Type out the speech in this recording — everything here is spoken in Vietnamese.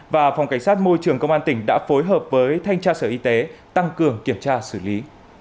và phòng cảnh sát môi trường công an tỉnh đã phối hợp với thanh tra sở y tế tăng cường kiểm tra xử lý